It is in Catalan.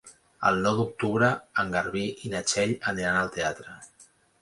El nou d'octubre en Garbí i na Txell aniran al teatre.